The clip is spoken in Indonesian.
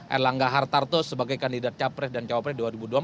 erlangga hartarto sebagai kandidat capres dan cawapres dua ribu dua puluh empat